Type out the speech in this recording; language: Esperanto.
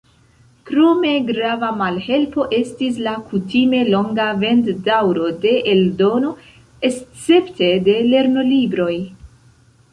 Krome, grava malhelpo estis la kutime longa vend-daŭro de eldono, escepte de lernolibroj.